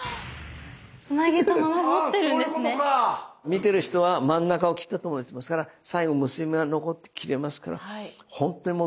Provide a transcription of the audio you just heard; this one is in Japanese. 見てる人は真ん中を切ったと思ってますから最後結び目が残って切れますから本当に戻ったように見えます。